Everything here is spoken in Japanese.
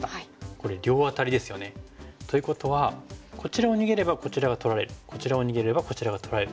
これ両アタリですよね。ということはこちらを逃げればこちらが取られこちらを逃げればこちらが取られる。